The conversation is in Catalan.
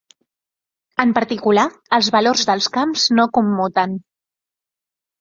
En particular, els valors dels camps no commuten.